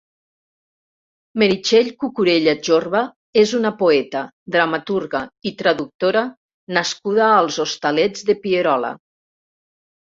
Meritxell Cucurella-Jorba és una poeta, dramaturga i traductora nascuda als Hostalets de Pierola.